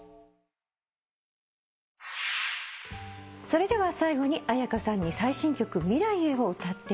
それでは最後に絢香さんに最新曲『未来へ』を歌っていただきます。